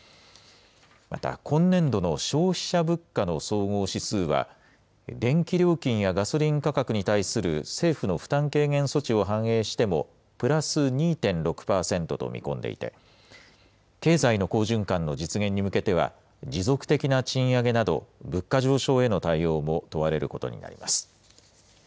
また、今年度の消費者物価の総合指数は、電気料金やガソリン価格に対する政府の負担軽減措置を反映しても、プラス２．６％と見込んでいて、経済の好循環の実現に向けては、持続的な賃上げなど、物価上昇への対応も問われることになります。